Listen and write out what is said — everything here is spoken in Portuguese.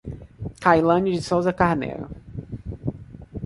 Cailane de Souza Carneiro